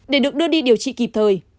để được đưa đi điều trị kịp thời